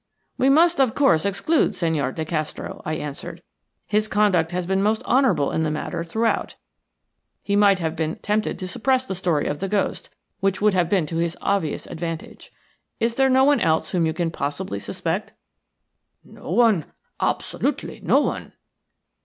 "We must, of course, exclude Senhor de Castro," I answered. "His conduct has been most honourable in the matter throughout; he might have been tempted to suppress the story of the ghost, which would have been to his obvious advantage. Is there no one else whom you can possibly suspect?" "No one – absolutely no one."